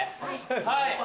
はい。